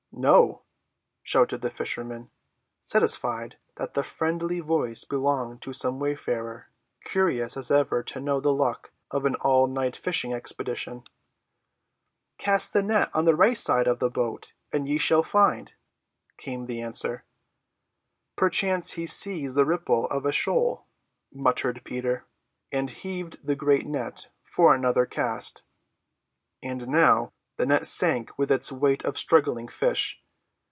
"No," shouted the fishermen, satisfied that the friendly voice belonged to some wayfarer, curious as ever to know the luck of an all‐night fishing expedition. "Cast the net on the right side of the boat and ye shall find," came the answer. "Perchance he sees the ripple of a shoal," muttered Peter, and heaved the great net for another cast. And now the net sank with its weight of struggling fish.